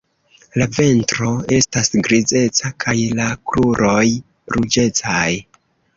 La ventro estas grizeca kaj la kruroj ruĝecaj.